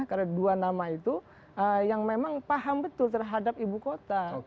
karena dua nama itu yang memang paham betul terhadap ibu kota